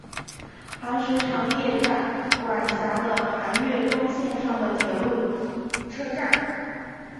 磐城常叶站管辖的磐越东线上的铁路车站。